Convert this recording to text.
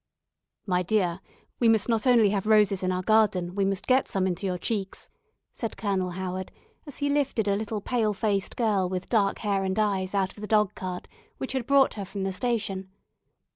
"My dear, we must not only have roses in our garden, we must get some into your cheeks," said Colonel Howard, as he lifted a little pale faced girl with dark hair and eyes out of the dog cart which had brought her from the station.